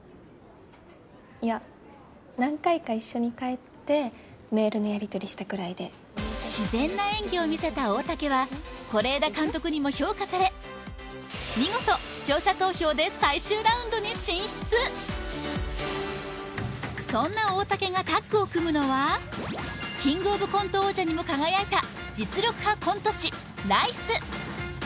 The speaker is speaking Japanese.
いや何回か一緒に帰ってメールのやりとりしたくらいで自然な演技を見せた大嵩は是枝監督にも評価され見事視聴者投票でそんな大嵩がタッグを組むのはキングオブコント王者にも輝いた実力派コント師ライス